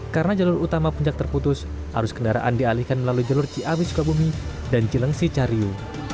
karena jalur utama puncak terputus arus kendaraan dialihkan melalui jalur ciawi sukabumi dan cilengsi cariu